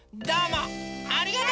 ありがとう！